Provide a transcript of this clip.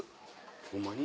ホンマに？